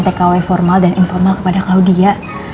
tkw formal dan informal kepada klaudia